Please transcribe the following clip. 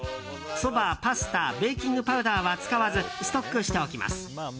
そば、パスタベーキングパウダーは使わずストックしておきます。